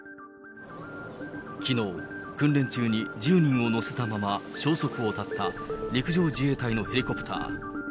きのう、訓練中に１０人を乗せたまま消息を絶った陸上自衛隊のヘリコプター。